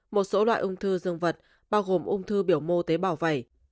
một số loại ung thư dương vật bao gồm ung thư biểu mô tế bào vẩy